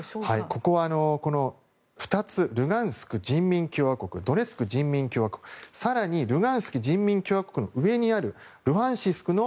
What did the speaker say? ここはルガンスク人民共和国ドネツク人民共和国更にルガンスク人民共和国の上にあるルハンシク